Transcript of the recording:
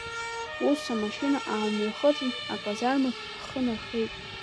Ус, амашьына аамҩахыҵын, аказармахь ахы нархеит.